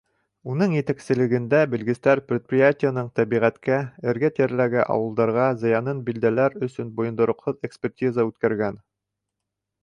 Уның етәкселегендә белгестәр предприятиеның тәбиғәткә, эргә-тирәләге ауылдарға зыянын билдәләр өсөн бойондороҡһоҙ экспертиза үткәргән.